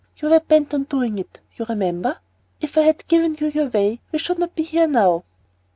you were bent on doing it, you remember. If I had given you your way we should not be here now."